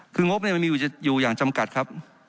คืองบมันมีอยู่อย่างจำกัดครับ